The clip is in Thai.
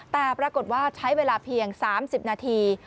แต่ปรากฏว่าใช้เวลาเพียง๓๐นาที